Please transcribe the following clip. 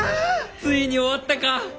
ついに終わったか！